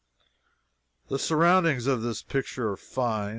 The surroundings of this picture are fine.